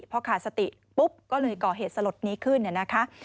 พอขาดสติปุ๊บก็เลยก่อเหตุสลดนี้ขึ้น